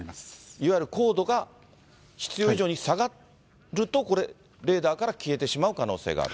いわゆる高度が必要以上に下がるとこれ、レーダーから消えてしまう可能性がある？